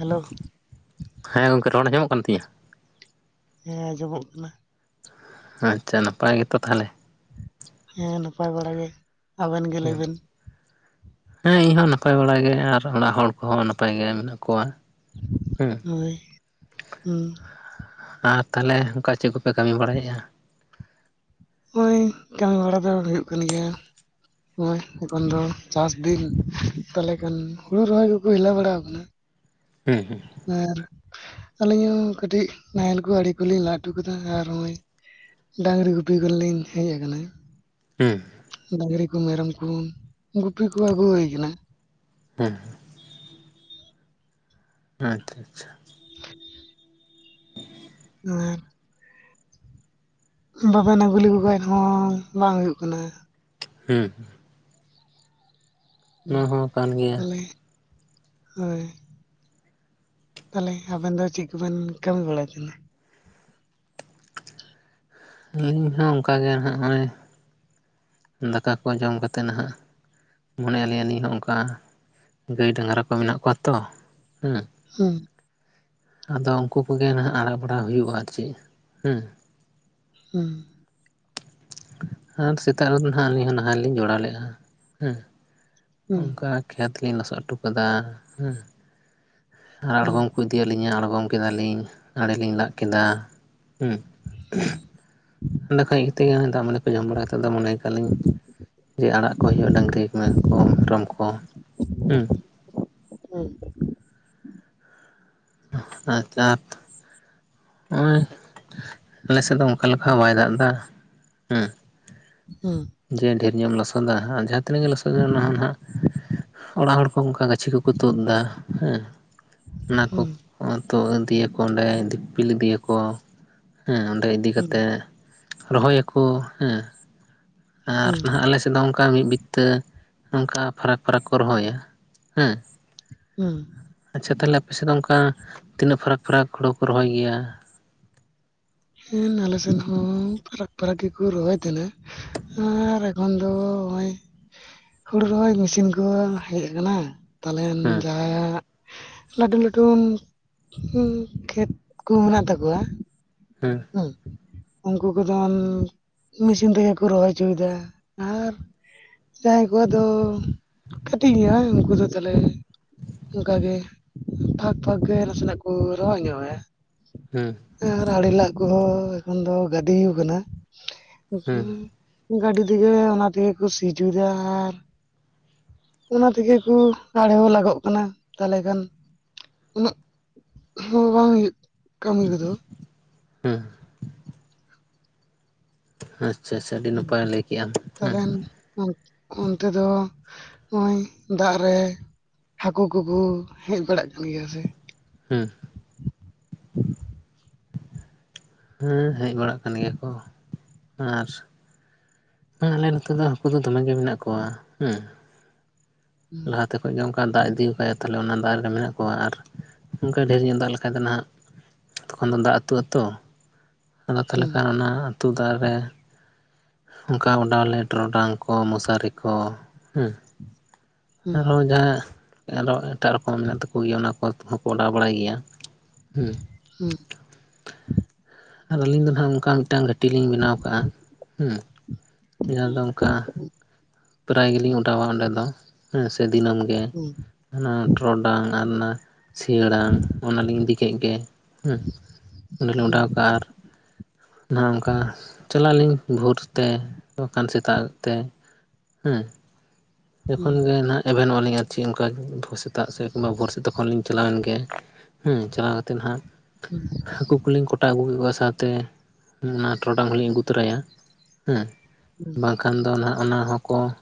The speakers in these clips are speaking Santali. ᱦᱮᱞᱳ ᱾ ᱦᱮᱸ ᱜᱚᱝᱠᱮ ᱨᱚᱲ ᱟᱸᱡᱚᱢᱚᱜ ᱠᱟᱱ ᱛᱤᱧᱟ? ᱦᱮᱸ ᱟᱸᱡᱚᱢᱚᱜ ᱠᱟᱱᱟ᱾ ᱟᱪᱪᱷᱟ ᱱᱟᱯᱟᱭ ᱜᱮᱛᱚ ᱛᱟᱦᱞᱮ? ᱦᱮᱸ ᱱᱟᱯᱟᱭ ᱵᱟᱲᱟ ᱜᱮ, ᱟᱵᱮᱱ ᱜᱮ ᱞᱟᱹᱭ ᱦᱮᱸ ᱵᱮᱱ? ᱦᱮᱸ ᱤᱧᱦᱚᱸ ᱱᱟᱯᱟᱭ ᱵᱟᱲᱟ ᱜᱮ ᱟᱨ ᱚᱲᱟᱜ ᱦᱚᱲ ᱠᱚᱦᱚᱸ ᱱᱟᱯᱟᱭ ᱜᱮ ᱢᱮᱱᱟᱜ ᱠᱚᱣᱟ᱾ ᱦᱮᱸ ᱦᱳᱭ ᱦᱩᱸ ᱟᱨ ᱛᱟᱦᱞᱮ ᱚᱝᱠᱟ ᱪᱮᱜ ᱠᱚᱯᱮ ᱠᱟᱹᱢᱤ ᱵᱟᱲᱟᱭᱮᱜᱼᱟ? ᱚᱸᱭ ᱠᱟᱹᱢᱤ ᱵᱟᱲᱟ ᱫᱚ ᱦᱩᱭᱩᱜ ᱠᱟᱱ ᱜᱮᱭᱟ᱾ ᱱᱚᱜᱼᱚᱭ ᱮᱠᱷᱚᱱ ᱫᱚ ᱪᱟᱥ ᱫᱤᱱ ᱛᱟᱞᱦᱮ ᱠᱷᱟᱱ ᱦᱩᱲᱩ ᱨᱚᱦᱚᱭ ᱠᱚᱠᱚ ᱦᱮᱞᱟᱣ ᱵᱟᱲᱟᱟᱣ ᱠᱟᱱᱟ᱾ ᱦᱩᱸ ᱦᱩᱸ ᱟᱨ ᱟᱹᱞᱤᱧ ᱦᱚᱸ ᱠᱟᱹᱴᱤᱡ ᱱᱟᱦᱮᱞ ᱠᱚ ᱟᱲᱮ ᱠᱚᱞᱤᱧ ᱞᱟ ᱚᱴᱩ ᱠᱮᱫᱟ ᱟᱨ ᱚᱸᱭ ᱰᱟᱹᱝᱨᱤ ᱜᱩᱯᱤ ᱠᱚᱞᱤᱧ ᱦᱮᱡ ᱟᱠᱟᱱᱟ᱾ ᱦᱩᱸ ᱰᱟᱝᱨᱤ ᱠᱚ ᱢᱮᱨᱚᱢ ᱠᱚ ᱜᱩᱯᱤ ᱠᱚ ᱟᱹᱜᱩ ᱦᱩᱭ ᱠᱟᱱᱟ᱾ ᱦᱮᱸ ᱟᱪᱪᱷᱟ ᱟᱪᱪᱷᱟ᱾ ᱦᱮᱸ ᱵᱟᱵᱮᱱ ᱟᱹᱜᱩ ᱞᱮᱠᱩ ᱠᱷᱟᱡ ᱦᱚᱸ ᱵᱟᱝ ᱦᱩᱭᱩᱜ ᱠᱟᱱᱟ᱾ ᱦᱮᱸ ᱦᱩᱸ ᱱᱚᱣᱟ ᱦᱚᱸ ᱠᱟᱱ ᱜᱮᱭᱟ ᱛᱟᱞᱮ ᱦᱳᱭ᱾ ᱛᱟᱞᱮ ᱟᱵᱮᱱ ᱫᱚ ᱪᱮᱜ ᱠᱚᱵᱮᱱ ᱠᱟᱹᱢᱤ ᱵᱟᱲᱟᱭ ᱛᱷᱮᱱᱟ? ᱤᱧ ᱦᱚᱸ ᱚᱝᱠᱟᱜᱮ ᱦᱟᱸᱜ ᱦᱚᱸᱭ ᱫᱟᱠᱟ ᱠᱚ ᱡᱚᱢ ᱠᱟᱛᱮ ᱱᱦᱟᱜ ᱢᱚᱱᱮᱭᱟᱞᱤᱧ ᱟᱹᱞᱤᱧ ᱦᱚᱸ ᱚᱝᱠᱟ ᱜᱟᱹᱭ ᱰᱟᱝᱨᱟ ᱠᱚ ᱢᱮᱱᱟᱜ ᱠᱚᱣᱟ ᱛᱚ ᱦᱩᱸ᱾ ᱦᱩᱸ ᱟᱫᱚ ᱩᱝᱠᱩ ᱠᱚᱜᱮ ᱱᱟᱦᱟᱜ ᱟᱲᱟᱜ ᱵᱟᱲᱟ ᱦᱩᱭᱩᱜᱼᱟ ᱟᱨ ᱪᱮᱜ ᱦᱩᱸ᱾ ᱦᱩᱸ ᱟᱨ ᱥᱮᱛᱟᱜ ᱨᱮᱫᱚ ᱱᱟᱦᱟᱸᱜ ᱟᱹᱞᱤᱧ ᱦᱚᱸ ᱱᱟᱦᱮᱞ ᱞᱤᱧ ᱡᱚᱲᱟᱣ ᱞᱮᱜᱼᱟ ᱦᱮᱸ᱾ ᱚᱝᱠᱟ ᱠᱷᱮᱛ ᱞᱤᱧ ᱞᱚᱥᱚᱜ ᱴᱚ ᱠᱟᱫᱟ ᱦᱮᱸ ᱟᱬᱜᱚᱢ ᱠᱚ ᱤᱫᱤᱭᱟᱜ ᱞᱤᱧᱟ ᱟᱬᱜᱚᱢ ᱠᱮᱫᱟᱞᱤᱧ ᱟᱲᱮᱞᱤᱧ ᱞᱟᱜ ᱠᱮᱫᱟ ᱦᱩᱸ᱾ ᱚᱸᱰᱮ ᱠᱷᱚᱡ [unintelligible] ᱫᱟᱜ ᱢᱟᱹᱰᱤ ᱠᱚ ᱡᱚᱢ ᱵᱟᱲᱟ ᱠᱟᱛᱮᱜ ᱫᱚ ᱢᱚᱱᱮᱭ ᱠᱟᱜᱼᱟ ᱞᱤᱧ ᱡᱮ ᱟᱲᱟᱜ ᱠᱚ ᱦᱩᱭᱩᱜ-ᱟ ᱰᱟᱝᱨᱤ [unintelligible] ᱠᱚ ᱢᱮᱨᱚᱢ ᱠᱚ ᱦᱩᱸ᱾ ᱦᱩᱸ [unintelligible] ᱦᱚᱸᱭ ᱟᱞᱮᱥᱮᱜ ᱫᱚ ᱚᱝᱠᱟ ᱞᱮᱠᱟ ᱦᱚᱸ ᱵᱟᱭ ᱫᱟᱜᱫᱟ ᱦᱮᱸ᱾ ᱦᱩᱸ ᱡᱮ ᱰᱷᱮᱨ ᱧᱚᱜ ᱮᱢ ᱞᱚᱥᱚᱫᱟ ᱦᱟᱸ ᱡᱟᱦᱟᱸ ᱛᱤᱱᱟᱹᱜ [unintelligible] ᱚᱱᱟ ᱦᱚᱸ ᱱᱟᱦᱟᱸᱜ ᱚᱲᱟᱜ ᱦᱚᱲ ᱠᱚ ᱚᱝᱠᱟ ᱜᱟᱹᱪᱷᱤ ᱠᱚᱠᱚ ᱛᱩᱫ ᱫᱟ ᱦᱮᱸ᱾ ᱚᱱᱟ ᱠᱚ ᱛᱩ ᱤᱫᱤᱭᱟᱠᱚ ᱚᱸᱰᱮ ᱫᱤᱯᱤᱞ ᱤᱫᱤᱭᱟᱠᱚ᱾ ᱦᱮᱸ ᱚᱸᱰᱮ ᱤᱫᱤ ᱠᱟᱛᱮᱜ ᱨᱚᱦᱚᱭᱟᱠᱚ ᱦᱮᱸ᱾ ᱟᱨ ᱱᱟᱦᱟᱜ ᱟᱞᱮᱥᱮᱜ ᱫᱚ ᱚᱝᱠᱟ ᱢᱤᱜ ᱵᱤᱛᱟᱹ ᱚᱝᱠᱟ ᱯᱷᱟᱨᱟᱠ ᱯᱷᱟᱨᱟᱠ ᱠᱚ ᱨᱚᱦᱚᱭᱟ ᱦᱮᱸ᱾ ᱩᱸ ᱟᱪᱪᱷᱟ ᱛᱟᱞᱦᱮ ᱟᱯᱮ ᱥᱮᱜ ᱫᱚ ᱚᱝᱠᱟ ᱛᱤᱱᱟᱹᱜ ᱯᱷᱟᱨᱟᱠ ᱯᱷᱟᱨᱟᱠ ᱦᱩᱲᱩ ᱠᱚ ᱨᱚᱦᱚᱭ ᱜᱮᱭᱟ? ᱦᱮᱱ ᱟᱞᱮ ᱥᱮᱱ ᱦᱚᱸ ᱯᱷᱟᱨᱟᱠ ᱯᱷᱟᱨᱟᱠ ᱜᱮᱠᱚ ᱨᱚᱦᱚᱭ ᱛᱷᱮᱱᱟ᱾ ᱟᱨ ᱮᱠᱷᱚᱱ ᱫᱚ ᱦᱚᱸᱜᱼᱚᱭ ᱦᱩᱲᱩ ᱨᱮᱦᱚᱸᱭ ᱢᱮᱥᱤᱱ ᱠᱚ ᱦᱮᱡ ᱠᱟᱱᱟ᱾ ᱛᱟᱞᱦᱮᱱ ᱦᱮᱸ ᱡᱟᱦᱟᱭᱟᱜ ᱞᱟᱹᱰᱩ ᱞᱟᱹᱴᱩᱱ ᱠᱷᱮᱛ ᱠᱚ ᱢᱮᱱᱟᱜ ᱛᱟᱠᱚᱣᱟ᱾ ᱦᱩᱸ ᱩᱸ ᱩᱝᱠᱩ ᱠᱚᱫᱚᱱ ᱢᱤᱥᱤᱱ ᱛᱮᱜᱮ ᱠᱚ ᱨᱚᱦᱚᱭ ᱪᱚᱭ ᱫᱟ ᱟᱨ ᱾ ᱡᱟᱦᱟᱸᱭ ᱠᱚᱣᱟᱜ ᱫᱚ ᱠᱟᱹᱴᱤᱡ ᱧᱚᱜ ᱩᱱᱠᱩ ᱫᱚ ᱛᱷᱟᱞᱮ ᱚᱝᱠᱟᱜᱮ ᱯᱷᱟᱠ ᱯᱷᱟᱠ ᱜᱮ ᱱᱟᱥᱮᱱᱟᱜ ᱠᱚ ᱨᱚᱦᱚᱭ ᱧᱚᱜᱟᱭᱟ ᱾ ᱦᱮᱸ ᱾ ᱟᱲᱮ ᱞᱟᱜ ᱠᱚᱦᱚᱸ ᱮᱠᱷᱚᱱ ᱫᱚ ᱜᱟᱹᱫᱤᱣ ᱠᱟᱱᱟ ᱦᱮᱸ ᱾ ᱜᱟᱹᱰᱤ ᱛᱮᱜᱮ ᱚᱱᱟ ᱛᱮᱜᱮ ᱠᱚ ᱥᱤ ᱪᱚᱭᱫᱟ ᱾ ᱚᱱᱟ ᱛᱮᱜᱮ ᱠᱚ ᱟᱲᱮ ᱦᱚᱸ ᱞᱟᱜᱚᱜ ᱠᱟᱱᱟ ᱛᱟᱞᱦᱮ ᱠᱷᱟᱱ ᱩᱱᱟᱹᱜ ᱾ ᱦᱚᱸ ᱠᱟᱹᱢᱤ ᱠᱚᱫᱚ ᱾ ᱦᱩᱸ, ᱟᱪᱪᱷᱟ ᱟᱪᱪᱷᱟ ᱟᱹᱰᱤ ᱱᱟᱯᱟᱭ ᱞᱟᱹᱭ ᱠᱮᱜ-ᱟ ᱦᱮᱸ ᱛᱟᱦᱚᱞᱮ ᱾ ᱚᱱᱛᱮ ᱫᱚ ᱚᱭ ᱫᱟᱜ ᱨᱮ ᱾ ᱦᱟᱹᱠᱩ ᱠᱚᱠᱚ ᱦᱮᱡ ᱵᱟᱲᱟᱜ ᱠᱟᱱ ᱜᱮᱭᱟ ᱥᱮ ᱾ ᱦᱩᱸ, ᱦᱮᱸ ᱦᱮᱡ ᱵᱟᱲᱟᱜ ᱠᱟᱱ ᱜᱮᱭᱟ ᱠᱚ ᱟᱨ ᱦᱮᱸ ᱟᱞᱮ ᱱᱚᱛᱮ ᱫᱚ ᱦᱟᱠᱩ ᱫᱚ ᱫᱚᱢᱮ ᱜᱮ ᱢᱮᱱᱟᱜ ᱠᱚᱣᱟ ᱦᱮᱸ ᱾ ᱦᱩᱸ ᱞᱟᱦᱟᱛᱮᱯ ᱚᱡᱚᱝᱠᱟ ᱫᱟᱜ ᱤᱫᱤ ᱠᱟᱭᱟ ᱛᱟᱞᱦᱮ ᱚᱱᱟ ᱫᱟᱜ ᱨᱮ ᱢᱮᱱᱟᱜ ᱠᱚᱣᱟ ᱟᱨ ᱚᱝᱠᱟ ᱰᱷᱮᱨ ᱧᱚᱜ ᱫᱟᱜ ᱞᱮᱠᱷᱟᱡ ᱫᱚ ᱱᱟᱦᱟᱜ ᱾ ᱛᱚᱠᱷᱚᱱ ᱫᱚ ᱫᱟᱜ ᱟᱹᱛᱩ ᱟᱹᱛᱩ ᱟᱫᱚ ᱛᱦᱟᱞᱮ ᱦᱩᱸ ᱠᱷᱟᱱ ᱚᱱᱟ ᱟᱹᱛᱩ ᱫᱟᱜ ᱨᱮ ᱾ ᱚᱱᱠᱟ ᱚᱰᱟᱣ ᱞᱮᱫ ᱴᱚᱨᱚᱰᱟᱝ ᱠᱚ ᱢᱚᱥᱟᱨᱤ ᱠᱚ ᱦᱩᱸ ᱾ ᱦᱩᱸ ᱟᱨᱚ ᱡᱟᱦᱟᱸᱭ ᱾ ᱟᱫᱚ ᱟᱱᱮ ᱮᱴᱟᱜ ᱨᱚᱠᱚᱢ ᱢᱮᱱᱟᱜ ᱛᱟᱠᱚ ᱜᱮᱭᱟ ᱚᱱᱟ ᱠᱚ ᱦᱚᱠᱚ ᱚᱰᱟᱣ ᱵᱟᱲᱟᱭ ᱜᱮᱭᱟ ᱦᱩᱸ ᱾ ᱦᱩᱸ ᱟᱨ ᱟᱹᱞᱤᱧ ᱫᱚ ᱱᱦᱟᱜ ᱚᱝᱠᱟ ᱢᱤᱫᱴᱟᱝ ᱜᱷᱟᱹᱴᱤ ᱞᱤᱧ ᱵᱮᱱᱟᱣ ᱦᱩᱸ ᱡᱟᱦᱟᱸ ᱫᱚ ᱚᱝᱠᱟ ᱾ ᱯᱮᱨᱟᱭ ᱜᱮᱞᱤᱧ ᱚᱰᱟᱣᱟ ᱚᱸᱰᱮ ᱫᱚ ᱦᱮᱸ ᱥᱮ ᱫᱤᱱᱟᱹᱢ ᱜᱮ ᱚᱱᱟ ᱴᱚᱨᱚᱰᱟᱝ ᱟᱨ ᱚᱱᱟ ᱾ ᱥᱤᱭᱟᱹᱲᱟᱝ ᱚᱱᱟ ᱞᱤᱧ ᱤᱫᱤ ᱠᱮᱫ ᱜᱮ ᱦᱩᱸ ᱚᱸᱰᱮᱞᱤᱧ ᱦᱩᱸ ᱚᱰᱟᱣ ᱠᱟᱜᱼᱟ ᱟᱨ ᱾ ᱵᱟ ᱚᱱᱠᱟ ᱪᱟᱞᱟᱜ ᱟᱹᱞᱤᱧ ᱵᱷᱳᱨ ᱛᱮ ᱵᱟᱠᱟᱱ ᱥᱮᱛᱟᱜ ᱛᱮ ᱦᱮᱸ ᱾ ᱦᱩᱸ ᱡᱚᱠᱷᱚᱱ ᱜᱮ ᱱᱟᱜ ᱮᱵᱷᱮᱱᱚᱝ ᱚᱞᱤᱧ ᱟᱨ ᱪᱮᱫ ᱚᱱᱠᱟ ᱵᱷᱚ ᱥᱮᱛᱟᱜ ᱥᱮ ᱠᱤᱵᱟ ᱵᱷᱳ ᱥᱮ ᱛᱚᱠᱷᱚᱱ ᱞᱤᱧ ᱾ ᱪᱟᱞᱟᱣᱮᱱ ᱜᱮ ᱦᱮᱸ ᱪᱟᱞᱟᱣ ᱠᱟᱛᱮᱫ ᱦᱟᱸᱜ ᱾ [inaudible] ᱦᱟᱹᱠᱩ ᱠᱚᱞᱤᱧ ᱠᱚᱴᱟ ᱟᱹᱜᱩ ᱠᱮᱫ ᱠᱚᱣᱟ ᱥᱟᱶᱛᱮ ᱚᱱᱟ ᱴᱚᱨᱚᱰᱟᱝ ᱦᱚᱸᱞᱤᱧ ᱟᱹᱜᱩ ᱛᱚᱨᱟᱭᱟ ᱾ ᱦᱮᱸ ᱦᱩᱸ ᱵᱟᱝᱠᱷᱟᱱ ᱫᱚ ᱱᱟᱦᱟᱜ ᱚᱱᱟ ᱦᱚᱸᱠᱚ ᱾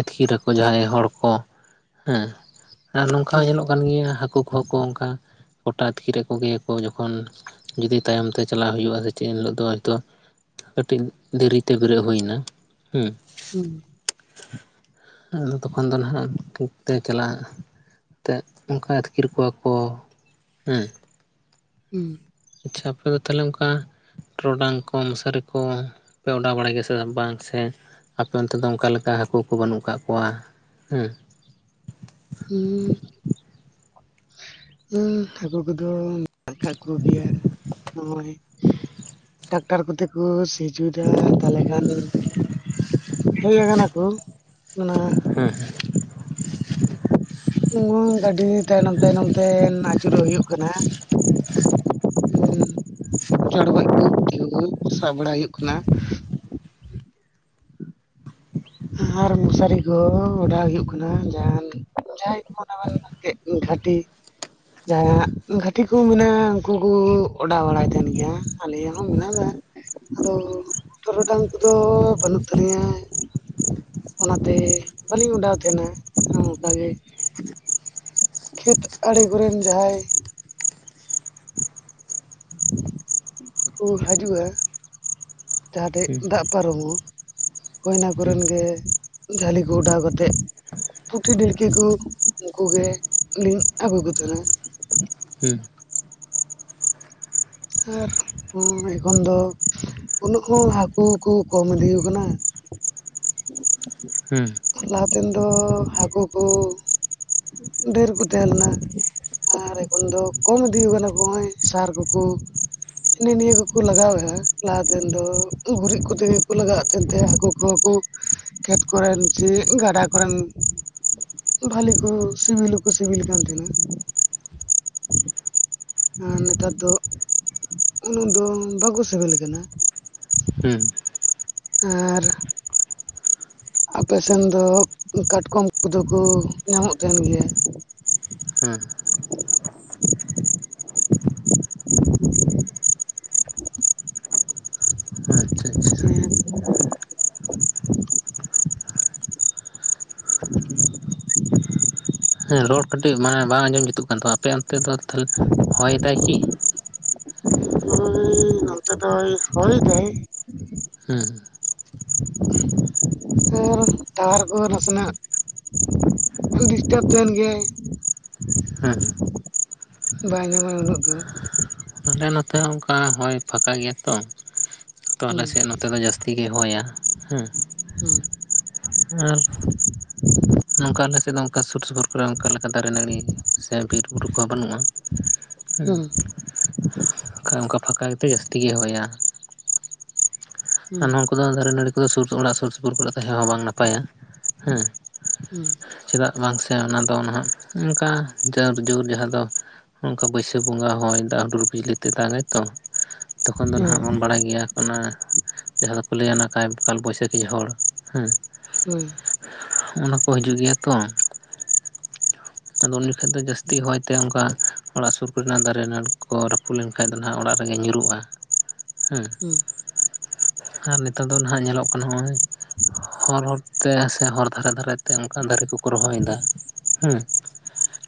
ᱤᱛᱠᱤᱨ ᱟᱠᱚ ᱡᱟᱦᱟᱸᱭ ᱦᱚᱲ ᱠᱚ ᱦᱮᱸ ᱟᱨ ᱱᱚᱝᱠᱟ ᱦᱩᱸ ᱧᱮᱞᱚᱜ ᱾ ᱠᱟᱱ ᱜᱮᱭᱟ ᱦᱟᱹᱠᱩ ᱠᱚᱦᱚᱸ ᱠᱚ ᱚᱱᱠᱟ ᱜᱚᱴᱟ ᱟᱛᱠᱤᱨ ᱮᱫ ᱠᱚᱜᱮᱭᱟ ᱠᱚ ᱡᱚᱠᱷᱚᱱ ᱡᱩᱫᱤ ᱛᱟᱭᱚᱢ ᱛᱮ ᱪᱟᱞᱟᱜ ᱦᱩᱭᱩᱜᱼᱟ ᱥᱮ ᱪᱮᱫ ᱮᱱ ᱦᱤᱞᱳᱜ ᱫᱚ ᱦᱛᱳᱛᱚ ᱾ ᱠᱟᱹᱴᱤᱡ ᱫᱮᱨᱤᱛᱮ ᱵᱮᱨᱮᱫ ᱦᱩᱭ ᱮᱱᱟ ᱦᱮᱸ ᱾ ᱦᱩᱸ, [inaudible] ᱟᱫᱚ ᱛᱚᱠᱷᱚᱱ ᱫᱚ ᱱᱟᱦᱟᱜ ᱯᱩᱵ‌ ᱛᱮ ᱪᱟᱞᱟᱜ ᱾ ᱮᱱᱛᱮ ᱚᱱᱠᱟ ᱟᱹᱛᱠᱤᱨ ᱠᱚᱣᱟ ᱠᱚ ᱦᱮᱸ ᱾ ᱦᱩᱸ ᱟᱪᱪᱷᱟ ᱟᱯᱮ ᱫᱚ ᱛᱟᱦᱚᱞᱮ ᱚᱱᱠᱟ ᱾ ᱴᱚᱨᱚᱰᱟᱝ ᱠᱚ ᱢᱚᱥᱟᱨᱤ ᱠᱚ ᱯᱮ ᱚᱰᱟᱣ ᱵᱟᱲᱟᱭ ᱜᱮᱭᱟ ᱥᱮ ᱵᱟᱝ ᱥᱮ? ᱟᱯᱮ ᱚᱱᱛᱮ ᱫᱚ ᱚᱱᱠᱟ ᱞᱮᱠᱟ ᱦᱟᱹᱠᱩ ᱠᱚ ᱵᱟᱹᱱᱩᱜ ᱟᱠᱟᱫ ᱠᱚᱣᱟ ᱦᱮᱸ ᱾ [inaudible] ᱦᱩᱸ ᱦᱟᱹᱠᱩ ᱠᱚᱫᱚ ᱢᱮᱱᱟᱜ ᱠᱟᱜ ᱠᱚᱜᱮᱭᱟ ᱱᱚᱜᱼᱚᱭ ᱾ ᱴᱟᱠᱴᱟᱨ ᱠᱚᱛᱮ ᱠᱚ ᱥᱤ ᱦᱚᱪᱚᱭ‌ ᱫᱟ ᱛᱟᱞᱦᱮ ᱠᱷᱟᱱ ᱦᱮᱡ ᱟᱠᱟᱱᱟ ᱠᱚ, ᱚᱱᱟ ᱦᱮᱸ᱾ ᱩᱢᱟᱹᱝ ᱜᱟᱹᱰᱤ ᱛᱟᱭᱱᱚᱢ ᱛᱟᱭᱱᱚᱢ ᱛᱮ ᱱᱟᱪᱩᱨᱚᱜ ᱦᱩᱭᱩᱜ ᱠᱟᱱᱟ [inaudible] ᱪᱚᱲᱜᱚᱡ ᱠᱚ ᱯᱩᱴᱷᱤ ᱠᱚᱜᱮ ᱥᱟᱵ ᱵᱟᱲᱟ ᱦᱩᱭᱩᱜ ᱠᱟᱱᱟ᱾ ᱟᱨ ᱢᱚᱥᱟᱨᱤ ᱠᱚ ᱚᱰᱟᱳ ᱦᱩᱭᱩᱜ ᱠᱟᱱᱟ ᱡᱟᱦᱟᱱ ᱡᱟᱦᱟᱸᱭ [inaudible] [inaudible] ᱜᱷᱟᱴᱤ ᱡᱟᱦᱟᱸᱭᱟᱜ ᱜᱷᱟᱴᱤ ᱠᱚ ᱢᱮᱱᱟᱜᱼᱟ ᱩᱱᱠᱩ ᱠᱚ ᱚᱰᱟᱣ ᱵᱟᱲᱟᱭ ᱛᱟᱦᱮᱱ ᱜᱮᱭᱟ ᱟᱞᱮᱭᱟᱜ ᱦᱚᱸ ᱢᱮᱱᱟᱜ [inaudible] ᱟᱫᱚ ᱴᱚᱨᱚᱰᱟᱝ ᱠᱚᱫᱚ ᱵᱟᱹᱱᱩᱜ ᱛᱟᱞᱤᱧᱟ᱾ ᱚᱱᱟᱛᱮ ᱵᱟᱹᱞᱤᱧ ᱚᱰᱟᱣ ᱛᱟᱦᱮᱱᱟ ᱚᱱᱠᱟ ᱜᱮ᱾ ᱠᱷᱮᱛ ᱟᱲᱮ ᱠᱚᱨᱮᱱ ᱡᱟᱦᱟᱸᱭ ᱪᱮᱫ ᱠᱚ ᱦᱟᱡᱩᱜᱼᱟ? ᱡᱟᱦᱟᱸᱴᱷᱮᱡ ᱫᱟᱜ ᱯᱟᱨᱚᱢᱚᱜ-ᱟ ᱦᱳᱭ ᱚᱱᱟ ᱦᱮᱸ ᱠᱚᱨᱮᱱ ᱜᱮ ᱡᱷᱟᱹᱞᱤ ᱠᱚ ᱚᱰᱟᱣ ᱠᱟᱛᱮᱫ ᱯᱩᱴᱷᱤ ᱰᱟᱹᱲᱠᱟᱹ ᱠᱚ ᱩᱱᱠᱩ ᱜᱮ ᱞᱤᱧ ᱟᱹᱜᱩ ᱠᱚ ᱛᱟᱦᱮᱱᱟ ᱦᱩᱸ᱾ ᱟᱨ ᱩᱸ ᱮᱠᱷᱚᱱ ᱫᱚ ᱩᱱᱟᱹᱜ ᱦᱚᱸ ᱦᱟᱹᱠᱩ ᱠᱚ ᱠᱚᱢ ᱤᱫᱤ ᱠᱟᱱᱟ᱾ ᱦᱮᱸ᱾ ᱞᱟᱦᱟᱛᱮᱱ ᱫᱚ ᱦᱟᱹᱠᱩ ᱠᱚ ᱰᱷᱮᱨ ᱠᱚ ᱛᱟᱦᱮᱸ ᱞᱮᱱᱟ᱾ ᱟᱨ ᱮᱠᱷᱚᱱ ᱫᱚ ᱠᱚᱢ ᱤᱫᱤᱣ ᱠᱟᱱᱟ ᱠᱚ ᱦᱮᱸ ᱥᱟᱨ ᱠᱚᱠᱚ ᱦᱤᱱᱟ ᱱᱤᱭᱟᱹ ᱠᱚᱠᱚ ᱞᱟᱜᱟᱣᱮᱜᱼᱟ ᱞᱟᱦᱟᱛᱮᱱ ᱫᱚ, ᱜᱩᱨᱤᱡ ᱠᱚᱛᱮ ᱜᱮᱠᱚ ᱞᱟᱜᱟᱣᱮᱫ ᱛᱟᱦᱮᱸᱛᱮ ᱦᱟᱹᱠᱩ ᱠᱚ ᱠᱚ ᱠᱷᱮᱛ ᱠᱚᱨᱮᱱ ᱥᱮ ᱜᱟᱰᱟ ᱠᱚᱨᱮᱱ ᱵᱷᱟᱞᱤ ᱠᱚ ᱥᱤᱵᱤᱞ ᱦᱚᱸᱠᱚ ᱥᱤᱵᱤᱞ ᱠᱟᱱ ᱛᱟᱦᱮᱱᱟ᱾ ᱟᱨ ᱱᱮᱛᱟᱨ ᱫᱚ ᱩᱱᱟᱹᱜ ᱫᱚ ᱵᱟᱠᱚ ᱥᱤᱵᱤᱞ ᱠᱟᱱᱟ᱾ ᱦᱮᱸ ᱟᱨ ᱟᱯᱮ ᱥᱮᱱ ᱫᱚ ᱠᱟᱴᱠᱚᱢ ᱠᱚᱫᱚ ᱠᱚ ᱧᱟᱢᱚᱜ ᱛᱟᱦᱮᱱ ᱜᱮᱭᱟ? ᱦᱮᱸ᱾ ᱦᱮᱸ ᱟᱪᱪᱷᱟ ᱟᱪᱪᱷᱟ ᱥᱮ [inaudible] ᱦᱮᱸ ᱨᱚᱲ ᱠᱟᱹᱴᱤᱡ ᱢᱟᱱᱮ ᱵᱟᱝ ᱟᱸᱡᱚᱢ ᱡᱩᱛᱩᱜ ᱠᱟᱱ ᱛᱟᱢᱟ ᱟᱯᱮ ᱚᱱᱛᱮ ᱫᱚ ᱛᱟᱦᱚᱞᱮ ᱦᱚᱭ ᱫᱟᱭ ᱠᱤ? ᱳᱭ ᱱᱚᱛᱮ ᱫᱚᱭ ᱦᱚᱭ ᱫᱟᱭ᱾ ᱦᱩᱸ᱾ [inaudible] [inaudible] ᱴᱟᱣᱟᱨ ᱠᱚᱦᱚᱸ ᱱᱟᱥᱮ ᱱᱟᱜ ᱰᱤᱥᱴᱟᱯ ᱛᱟᱦᱮᱱ ᱜᱮᱭᱟᱭ᱾ ᱦᱮᱸ᱾ ᱵᱟᱭ ᱧᱟᱢᱟᱭ ᱩᱱᱟᱹᱜ ᱫᱚ᱾ ᱟᱞᱮ ᱱᱚᱛᱮ ᱦᱚᱸ ᱚᱱᱠᱟ ᱦᱚᱭ ᱯᱷᱟᱸᱠᱟ ᱜᱮᱭᱟ ᱛᱚ, ᱛᱚ ᱟᱞᱮ ᱦᱩᱸ ᱥᱮᱫ ᱱᱚᱛᱮ ᱫᱚ ᱡᱟᱹᱥ ᱛᱤᱜᱮ ᱦᱚᱭᱟ ᱦᱩᱸ ᱦᱩᱸ ᱟᱨ ᱱᱚᱝᱠᱟ ᱟᱞᱮ ᱥᱮᱫ ᱫᱚ ᱚᱱᱠᱟ ᱥᱩᱨ ᱥᱩᱯᱩᱨ ᱠᱚᱨᱮ ᱚᱱᱠᱟ ᱞᱮᱠᱟ ᱫᱟᱨᱮ ᱱᱟᱹᱲᱤ ᱥᱮ ᱵᱤᱨᱼᱵᱩᱨᱩ ᱠᱚᱦᱚᱸ ᱵᱟᱹᱱᱩᱜᱼᱟ᱾ ᱦᱩᱸ᱾ ᱠᱷᱟᱡ ᱚᱱᱠᱟ ᱯᱷᱟᱸᱠᱟ ᱜᱮᱛᱮ ᱡᱟᱹᱥᱛᱤ ᱜᱮᱭ ᱦᱚᱭᱟ᱾ ᱟᱨ ᱦᱩᱸ ᱱᱳᱣᱟ ᱠᱚᱫᱚ ᱫᱟᱨᱮ ᱱᱟᱹᱲᱤ ᱠᱚᱫᱚ ᱥᱩᱨ ᱚᱲᱟᱜ ᱥᱩᱨ ᱥᱩᱯᱩᱨ ᱠᱚᱨᱮ ᱛᱟᱦᱮᱸ ᱦᱚᱸ ᱵᱟᱝ ᱱᱟᱯᱟᱭᱟ, ᱦᱮᱸ᱾ ᱦᱩᱸ ᱪᱮᱫᱟᱜ ᱵᱟᱝ ᱥᱮ ᱚᱱᱟ ᱫᱚ ᱱᱟᱦᱟᱜ ᱚᱱᱠᱟ ᱡᱳᱨ ᱡᱳᱨ ᱡᱟᱦᱟᱸ ᱫᱚ ᱚᱱᱠᱟ ᱵᱟᱹᱭᱥᱟᱹᱠᱷ ᱵᱚᱸᱜᱟ ᱦᱚᱭ ᱫᱟᱜ ᱦᱩᱰᱩᱨ ᱵᱤᱡᱽᱞᱤ ᱛᱮᱜ ᱫᱟᱜᱟᱭ ᱛᱚ, ᱛᱚᱠᱷᱚᱱ ᱫᱚ ᱦᱩᱸ ᱱᱟᱦᱟᱜ ᱵᱚᱱ ᱵᱟᱲᱟᱭ ᱜᱮᱭᱟ ᱚᱱᱟ ᱡᱟᱦᱟ ᱫᱚ ᱠᱚ ᱞᱟᱹᱭ-ᱟ ᱚᱱᱟ ᱠᱟᱭ ᱠᱟᱞ ᱵᱟᱹᱭᱥᱟᱹᱠᱷᱤ ᱡᱷᱚᱲ ᱦᱮᱸ᱾ ᱦᱩᱸ᱾ ᱚᱱᱟ ᱠᱚ ᱦᱤᱡᱩᱜ ᱜᱮᱭᱟ ᱛᱚ᱾ ᱟᱫᱚ ᱩᱱ ᱡᱚᱠᱷᱮ ᱫᱚ ᱡᱟᱹᱥᱛᱤ ᱦᱩᱸ ᱦᱚᱭ ᱛᱮ ᱚᱱᱠᱟ ᱚᱲᱟᱜ ᱥᱩᱨ ᱠᱚ ᱨᱮᱱᱟᱜ ᱫᱟᱨᱮ ᱱᱟᱹᱲᱤ ᱠᱚ ᱨᱟᱹᱯᱩᱫ ᱞᱮᱱᱠᱟᱱ ᱫᱚ ᱱᱟᱦᱟᱜ ᱚᱲᱟᱜ ᱨᱮ ᱜᱮ ᱧᱩᱨᱩᱜᱼᱟ᱾ ᱦᱮᱸ᱾ ᱦᱩᱸ᱾ ᱟᱨ ᱱᱮᱛᱟᱨ ᱫᱚ ᱱᱟᱜ ᱧᱮᱞᱚᱜ ᱠᱟᱱᱟ ᱦᱚᱸᱜᱼᱚᱭ [inaudible] ᱦᱚᱨ, ᱦᱚᱨ ᱛᱮ ᱥᱮ ᱦᱚᱨ ᱫᱷᱟᱨᱮ ᱫᱷᱟᱨᱮ ᱛᱮ ᱚᱱᱠᱟ ᱫᱟᱨᱮ ᱠᱚ ᱠᱚ ᱨᱚᱦᱚᱭ ᱫᱟ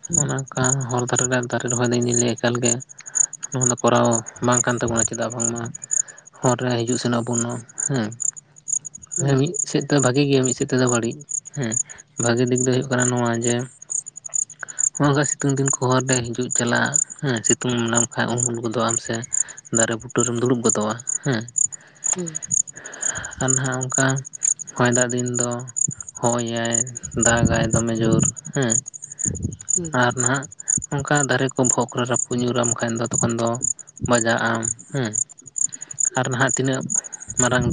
ᱦᱩᱸ ᱦᱩᱸ ᱚᱱᱮ ᱚᱱᱠᱟ ᱦᱚᱨ ᱫᱷᱟᱨᱮ ᱨᱮᱱ ᱫᱟᱨᱮ ᱨᱚᱦᱚᱭ ᱫᱚ ᱤᱧ ᱫᱚᱧ ᱞᱟᱹᱭ-ᱟ ᱮᱠᱟᱞ ᱜᱮ ᱱᱚᱣᱟ ᱫᱚ ᱠᱚᱨᱟᱣ ᱵᱟᱝ ᱠᱟᱱ ᱛᱟᱵᱚᱱᱟ ᱪᱮᱫᱟᱜ ᱵᱟᱝ ᱢᱟ ᱦᱚᱨ ᱨᱮ ᱦᱤᱡᱩᱜ ᱥᱮᱱ ᱵᱩᱱᱳ ᱦᱮᱸ, ᱦᱩᱸ ᱦᱮᱸ ᱢᱤᱫ ᱥᱮᱫ ᱛᱚ ᱵᱷᱟᱜᱮ ᱜᱮᱭᱟ ᱢᱤᱫ ᱥᱮᱫ ᱛᱮᱫᱚ ᱵᱟᱲᱤᱡ ᱦᱮᱸ ᱵᱷᱟᱜᱤ ᱫᱤᱠ ᱫᱚ ᱦᱩᱭᱩᱜ ᱠᱟᱱᱟ ᱱᱚᱣᱟ ᱡᱮ, ᱱᱚᱸᱜᱼᱚᱭ ᱱᱚᱝᱠᱟ ᱥᱤᱛᱩᱝ ᱫᱤᱱ ᱠᱚ ᱦᱚᱨ ᱞᱮ ᱦᱤᱡᱩᱜ ᱪᱟᱞᱟᱜ ᱦᱮᱸ ᱥᱤᱛᱩᱝ ᱞᱮᱢ ᱠᱷᱟᱡ ᱩᱢᱩᱞ ᱜᱚᱫᱚᱜ ᱟᱢ ᱥᱮ᱾ ᱫᱟᱨᱮ ᱵᱩᱴᱟᱹ ᱨᱮᱢ ᱫᱩᱲᱩᱵ ᱜᱚᱫᱚᱜᱼᱟ ᱦᱮᱸ᱾ ᱦᱩᱸ, ᱾ ᱟᱨ ᱱᱟᱦᱟᱜ ᱚᱱᱠᱟ ᱦᱚᱭ ᱫᱟᱜ ᱫᱤᱱ ᱫᱚ ᱦᱚᱭ ᱟᱭ ᱫᱟᱜ-ᱟᱭ ᱫᱚᱢᱮ ᱡᱩᱨ ᱦᱮᱸ ᱦᱩᱸ ᱟᱨ ᱱᱟᱦᱟᱜ ᱚᱱᱠᱟ ᱫᱟᱨᱮ ᱠᱚ ᱵᱚᱦᱚᱜ ᱠᱚᱨᱮ ᱨᱟᱹᱯᱩᱫ ᱧᱩᱨᱟᱢ ᱠᱷᱟᱱ ᱫᱚ ᱛᱚᱠᱷᱚᱱ ᱫᱚ᱾ ᱵᱟᱡᱟᱜ ᱟᱢ ᱦᱩᱸ ᱟᱨ ᱱᱟᱦᱟᱜ ᱛᱤᱱᱟᱹᱜ, ᱢᱟᱨᱟᱝ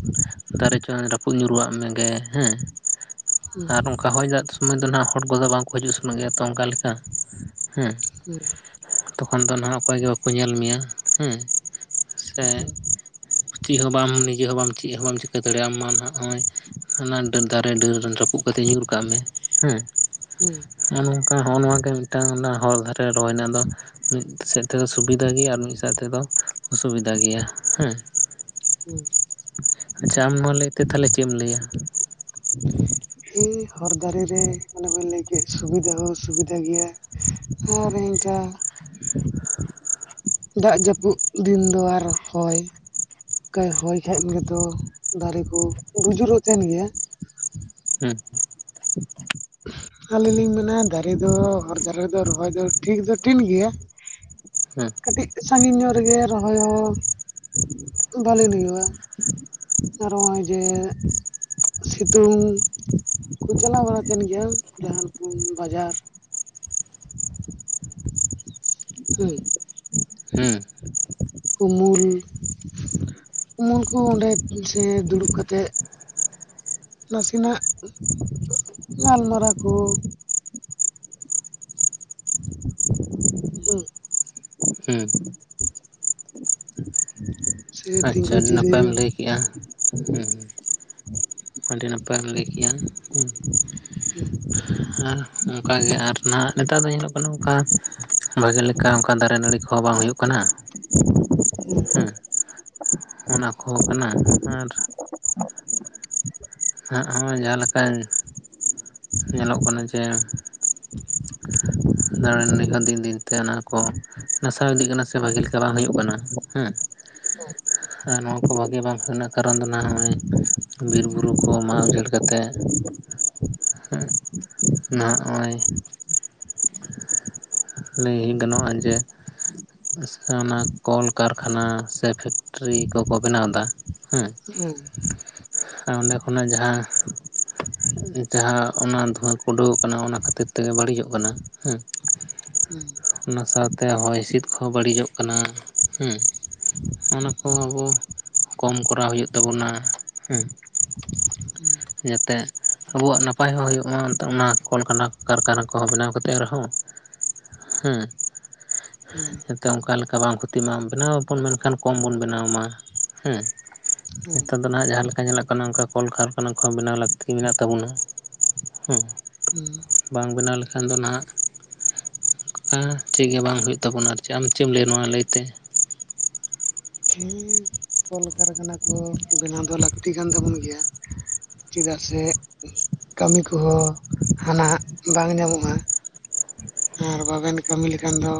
ᱫᱟᱨᱮ ᱪᱚᱝ ᱨᱟᱹᱯᱩᱫ ᱧᱩᱨᱩᱣᱟᱜ ᱟᱢᱮᱼᱜᱮ ᱦᱮᱸ᱾ ᱟᱨ ᱚᱱᱠᱟ ᱦᱚᱭ ᱫᱟᱜ ᱥᱚᱢᱚᱭ ᱫᱚ ᱦᱟᱸᱜ ᱦᱚᱲ ᱠᱚᱫᱚ ᱵᱟᱝ ᱠᱚ ᱦᱤᱡᱩᱜ ᱥᱮᱱᱚᱜ ᱜᱮᱭᱟ ᱛᱚ ᱚᱱᱠᱟ ᱞᱮᱠᱟ ᱦᱩᱸ᱾ ᱦᱩ ᱛᱚᱠᱷᱚᱱ ᱫᱚ ᱱᱟᱦᱟᱜ ᱚᱠᱚᱭ ᱜᱮ ᱵᱟᱠᱚ ᱧᱮᱞ ᱢᱮᱭᱟ ᱦᱩᱸ ᱥᱮ᱾ ᱦᱩᱸ ᱪᱮᱫ ᱦᱚᱸ ᱵᱟᱢ ᱱᱤᱡᱮ ᱦᱚᱸ ᱵᱟᱢ ᱪᱮᱫ ᱦᱚᱸ ᱵᱟᱢ ᱪᱤᱠᱟᱹ ᱫᱟᱲᱮᱭᱟᱜᱼᱟ ᱢᱟ ᱱᱟᱜᱼᱚᱭ, ᱾ ᱦᱟᱱᱟ ᱰᱟᱱ ᱫᱟᱨᱮ ᱰᱟᱹᱨ ᱨᱟᱹᱯᱩᱫ ᱠᱟᱛᱮᱫ ᱧᱩᱨ ᱠᱟᱜ ᱢᱮ, ᱦᱮᱸ ᱦᱩᱸ᱾ ᱱᱚᱜᱚ ᱱᱚᱝᱠᱟ ᱦᱚᱸᱜᱚᱱᱟ ᱜᱮ ᱢᱤᱫᱴᱟᱝ ᱚᱱᱟ ᱦᱚᱨ ᱫᱷᱟᱨᱮ ᱨᱚᱦᱚᱭ ᱨᱮᱱᱟ ᱫᱚ ᱢᱤᱫ ᱥᱮᱫ ᱛᱮ ᱫᱚ ᱥᱩᱵᱤᱫᱟ ᱜᱮᱭᱟ ᱟᱨ ᱢᱤᱫ ᱥᱮ ᱛᱮ ᱫᱚ ᱚᱥᱩᱵᱤᱫᱟ ᱜᱮᱭᱟ ᱦᱮᱸ᱾ ᱦᱮᱸ [inaudible] ᱟᱪᱪᱷᱟ ᱟᱢ ᱱᱚᱣᱟ ᱞᱟᱹᱭ ᱛᱮ ᱛᱷᱟᱞᱮ ᱪᱮᱫ ᱮᱢ ᱞᱟᱹᱭ-ᱟ? ᱦᱩᱸ ᱦᱚᱨ ᱫᱟᱨᱮ ᱨᱮ ᱚᱱᱮ ᱵᱮᱱ ᱞᱟᱹᱭ ᱠᱮᱫ ᱥᱩᱵᱤᱫᱟ ᱦᱚᱸ ᱥᱩᱵᱤᱫᱷᱟ ᱜᱮᱭᱟ᱾ ᱟᱨ ᱤᱱᱠᱟᱹ [unintelligible] ᱫᱟᱜ ᱡᱟᱹᱯᱩᱫ ᱫᱤᱱ ᱫᱚ ᱟᱨᱚ ᱦᱚᱭ᱾ ᱚᱱᱠᱟᱭ ᱦᱚᱭ ᱠᱷᱟᱱ ᱜᱮᱫᱚ ᱫᱟᱨᱮ ᱠᱚ ᱵᱩᱡᱩᱨᱚᱜ ᱛᱟᱦᱮᱱ ᱜᱮᱭᱟ᱾ ᱦᱩᱸ᱾ ᱟᱹᱞᱤᱧ ᱞᱤᱧ ᱢᱮᱱᱟ ᱫᱟᱨᱮ ᱫᱚ ᱦᱚᱨ ᱫᱟᱨᱮ ᱫᱚ ᱨᱚᱦᱚᱭ ᱫᱚ ᱴᱷᱤᱠ ᱫᱚ ᱴᱷᱤᱠ ᱜᱮᱭᱟ᱾ ᱦᱮᱸ᱾ ᱢᱤᱫ ᱥᱟᱜᱤᱧ ᱧᱚᱜ ᱨᱮᱜᱮ ᱨᱚᱦᱚᱭ ᱦᱚᱸ ᱵᱟᱹᱞᱤᱱ ᱦᱩᱭᱩᱜᱼᱟ᱾ ᱟᱨᱚ ᱦᱚᱸᱜᱼᱚᱭ ᱭ ᱡᱮ ᱥᱤᱛᱩᱝ ᱠᱚ ᱪᱟᱞᱟᱣ ᱵᱟᱲᱟ ᱛᱟᱦᱮᱱ ᱜᱮᱭᱟ ᱡᱟᱦᱟᱱ ᱠᱚ ᱵᱟᱡᱟᱨ᱾ ᱦᱮᱸ ᱦᱩᱸ ᱩᱢᱩᱞ ᱩᱢᱩᱞᱠᱚ ᱦᱚᱸ ᱚᱸᱰᱮ ᱥᱮ ᱫᱩᱲᱩᱵ ᱠᱟᱛᱮᱜ ᱱᱟᱥᱮ ᱱᱟᱜ ᱜᱟᱞᱢᱟᱨᱟᱣ ᱠᱚ ᱦᱩᱸ [unintelligible] ᱦᱩᱸ ᱥᱮ [unintelligible] ᱟᱪᱪᱷᱟ ᱛᱤᱸᱜᱩ ᱟᱹᱰᱤ ᱱᱟᱯᱟᱭ ᱮᱢ ᱡᱤᱨᱟᱹᱣ ᱞᱟᱹᱭ ᱠᱮᱜᱼᱟ᱾ [unintelligible] ᱦᱩᱸ [unintelligible] ᱟᱹᱰᱤ ᱱᱟᱯ ᱱᱟᱯᱟᱭ ᱮᱢ ᱞᱟᱹᱭ ᱠᱮᱜᱼᱟ, ᱦᱩᱸ ᱟᱨ ᱚᱱᱠᱟᱜᱮ ᱟᱨ ᱱᱟᱦᱟᱜ ᱱᱮᱛᱟᱨ ᱫᱚ ᱧᱮᱞᱚᱜ ᱠᱟᱱᱟ ᱚᱱᱠᱟ ᱵᱷᱟᱜᱮ ᱞᱮᱠᱟ ᱚᱱᱠᱟ ᱫᱟᱨᱮ ᱱᱟᱹᱲᱤ ᱠᱚᱦᱚᱸ ᱵᱟᱝ ᱦᱩᱭᱩᱜ ᱠᱟᱱᱟ᱾ [unintelligible] ᱦᱮᱸ ᱚᱱᱟ ᱠᱚᱦᱚᱸ ᱠᱟᱱᱟ ᱟᱨ ᱱᱟᱜᱼᱚᱭ ᱡᱟᱸᱦᱟ ᱞᱮᱠᱟ ᱧᱮᱞᱚᱜ ᱠᱟᱱᱟ ᱡᱮ ᱫᱟᱬᱟᱱ ᱱᱤᱦᱟᱹ ᱫᱤᱱ ᱫᱤᱱ ᱛᱮ ᱚᱱᱟ ᱠᱚ ᱱᱟᱥᱟᱣ ᱤᱫᱤᱜ ᱠᱟᱱᱟ ᱥᱮ ᱵᱷᱟᱹᱜᱤ ᱞᱮᱠᱟ ᱵᱟᱝ ᱦᱩᱭᱩᱜ ᱠᱟᱱᱟ‌ ᱦᱮᱸ᱾ ᱟᱨ ᱱᱚᱣᱟ ᱠᱚ ᱵᱷᱟᱜᱤ ᱵᱟᱝ ᱨᱮᱱᱟᱜ ᱠᱟᱨᱚᱱ ᱫᱚ ᱱᱟ ᱱᱚᱜᱼᱚᱭ ᱵᱤᱨᱼᱵᱩᱨᱩ ᱠᱚ ᱢᱟᱜ ᱩᱡᱟᱹᱲ ᱠᱟᱛᱮᱫ ᱱᱚᱦᱜᱼᱚᱭ ᱞᱟᱹᱭ ᱦᱤ ᱜᱟᱱᱚᱜᱼᱟ ᱡᱮ ᱥ ᱚᱱᱟ ᱠᱚᱞ ᱠᱟᱨᱠᱷᱟᱱᱟ ᱥᱮ ᱯᱷᱮᱠᱴᱨᱤ ᱠᱚᱠᱚ ᱵᱮᱱᱟᱣᱫᱟ ᱦᱮᱸ ᱦᱩᱸ ᱟᱨ ᱚᱸᱰᱮ ᱠᱷᱚᱱᱟᱜ ᱡᱟᱸᱦᱟ ᱡᱟᱦᱟᱸ ᱚᱱᱟ ᱫᱷᱩᱣᱟᱹ ᱠᱩ ᱩᱰᱩᱠᱚᱜ ᱠᱟᱱᱟ ᱚᱱᱟ ᱠᱷᱟᱹᱛᱤᱨ ᱛᱮᱜᱮ ᱵᱟᱹᱲᱤᱡᱚᱜ ᱠᱟᱱᱟ᱾ ᱦᱩᱸ ᱦᱩᱸ ᱚᱱᱟ ᱥᱟᱶᱛᱮ ᱦᱚᱭᱼᱦᱤᱸᱥᱤᱫ ᱠᱚᱦᱚ ᱵᱟᱹᱲᱤᱡᱚᱜ ᱠᱟᱱᱟ, ᱦᱩᱸ᱾ ᱚᱱᱟ ᱠᱚ ᱟᱵᱚ ᱠᱚᱢ ᱠᱚᱨᱟᱣ ᱦᱩᱭᱩᱜ ᱛᱟᱵᱚᱱᱟ, ᱦᱩᱸ ᱦᱩᱸ ᱡᱟᱛᱮ ᱟᱵᱚᱣᱟᱜ ᱱᱟᱯᱟᱭ ᱦᱚᱸ ᱦᱩᱭᱩᱜ ᱢᱟ ᱚᱱᱟ ᱠᱚᱞ ᱠᱟᱰᱟ ᱠᱟᱨᱠᱷᱟᱱᱟ ᱠᱚᱦᱚᱸ ᱵᱮᱱᱟᱣ ᱠᱟᱛᱮᱫ ᱨᱮᱸᱦᱚ᱾ ᱦᱩᱸ ᱦᱩᱸ ᱛᱮ ᱚᱱᱠᱟ ᱞᱮᱠᱟ ᱵᱟᱝ ᱠᱷᱚᱛᱤ ᱢᱟ ᱵᱮᱱᱟᱣ ᱟᱵᱚᱱ ᱢᱮᱱᱠᱷᱟᱱ ᱠᱚᱢ ᱵᱚᱱ ᱵᱮᱱᱟᱣ ᱢᱟ, ᱦᱩᱸ ᱦᱩᱸ ᱱᱤᱛᱚᱜ ᱫᱚ ᱱᱟᱦᱟᱜ ᱡᱟᱦᱟᱸ ᱞᱮᱠ ᱠᱟ ᱪᱮᱞᱟᱜ ᱠᱟᱱᱟ ᱚᱱᱠᱟ ᱠᱚᱞ ᱠᱟᱨᱠᱷᱟᱱᱟ ᱠᱚ ᱵᱮᱱᱟᱣ ᱞᱟᱹᱠᱛᱤ ᱢᱮᱱᱟᱜ ᱛᱟᱵᱚᱱᱟ, ᱦᱩᱸ᱾ ᱦᱩᱸ ᱵᱟᱝ ᱵᱮᱱᱟᱣ ᱞᱮᱠᱷᱟᱱ ᱫᱚ ᱱᱟᱦᱟᱜ ᱦᱮᱸ ᱪᱮᱫ ᱜᱮ ᱵᱟᱝ ᱦᱩᱭᱩᱜ ᱛᱟᱵᱚᱱᱟ ᱟᱨ ᱪᱮ, ᱟᱢ ᱪᱮᱫ ᱮᱢ ᱞᱟᱹᱭᱟ ᱱᱚᱣᱟ ᱞᱟᱹᱭ ᱛᱮ? ᱦᱮᱸ ᱠᱚᱞ ᱠᱟᱨᱠᱷᱟᱱᱟ ᱠᱚ ᱵᱮᱱᱟᱣ ᱫᱚ ᱞᱟᱹᱠᱛᱤ ᱠᱟᱱ ᱛᱟᱵᱚᱱ ᱜᱮᱭᱟ, ᱪᱮᱫᱟᱜ ᱥᱮ ᱠᱟᱹᱢᱤ ᱠᱚᱦᱚᱸ ᱦᱟᱱᱟ ᱦᱟᱜ ᱵᱟᱝ ᱧᱟᱢᱚᱜᱼᱟ᱾ ᱟᱨ ᱵᱟᱵᱮᱱ ᱠᱟᱹᱢᱤ ᱞᱮᱠᱷᱟᱱ ᱫᱚ